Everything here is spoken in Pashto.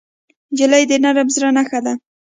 نجلۍ د نرم زړه نښه ده.